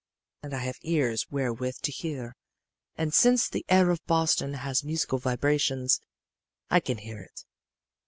And I have ears wherewith to hear and since the air of Boston has musical vibrations, I can hear it.